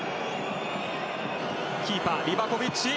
キーパーリバコビッチ。